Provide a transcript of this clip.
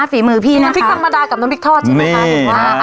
ฝีมือพี่น้ำพริกธรรมดากับน้ำพริกทอดใช่ไหมคะ